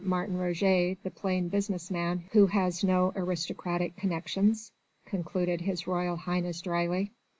Martin Roget the plain business man who has no aristocratic connexions," concluded His Royal Highness dryly.